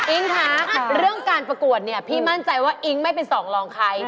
คะเรื่องการประกวดเนี่ยพี่มั่นใจว่าอิ๊งไม่เป็นสองรองใคร